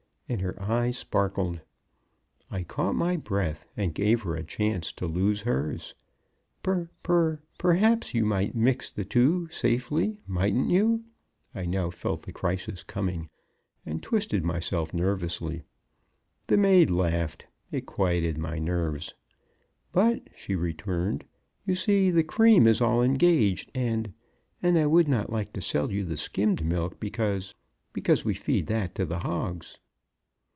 And her eyes sparkled. I caught my breath and gave her a chance to lose hers. "Per per perhaps you might mix the two safely mightn't you?" I now felt the crisis coming, and twisted myself nervously. The maid laughed. It quieted my nerves. "But," she returned, "you see, the cream is all engaged, and and I would not like to sell you the skimmed milk, because because we feed that to the hogs."